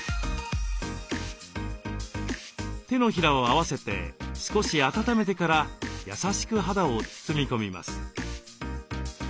手のひらを合わせて少し温めてから優しく肌を包み込みます。